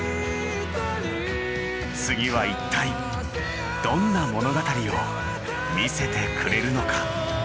次は一体どんな物語を見せてくれるのか。